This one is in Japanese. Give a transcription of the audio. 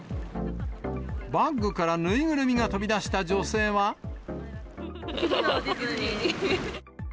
バッグから縫いぐるみが飛び出しきのう、ディズニーに。